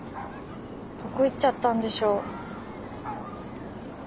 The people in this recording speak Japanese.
どこ行っちゃったんでしょう。